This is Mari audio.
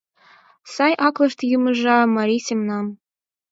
Сай аклышт йымыжа марий семнам.